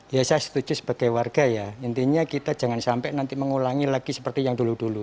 ya saya setuju sebagai warga ya intinya kita jangan sampai nanti mengulangi lagi seperti yang dulu dulu